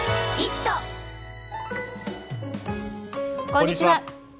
こんにちは。